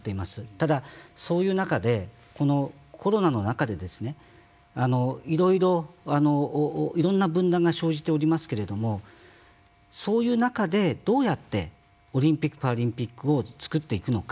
ただ、そういう中でコロナの中でいろんな分断が生じておりますけれどもそういう中で、どうやってオリンピック・パラリンピックを作っていくのか。